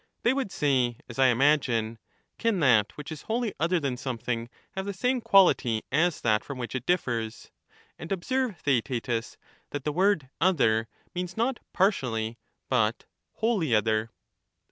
They would say, as I imagine — Can that which is wholly other than something, have the same quality as that from which it differs? and observe, Theaetetus, that the word 'other' means not 'partially,' but 'wholly other.'